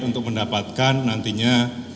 untuk mendapatkan nantinya